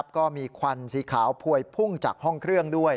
ก็มีควันสีขาวพวยพุ่งจากห้องเครื่อง